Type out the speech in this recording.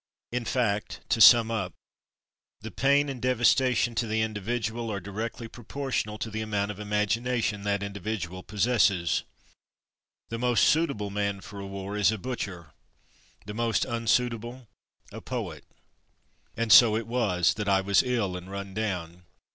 In fact, to sum up: The pain and devastation to the individ ual are directly proportional to the amount of imagination that individual possesses. The most suitable man for a war is a butcher; the most unsuitable, a poet. And so it was that I was ill and run down.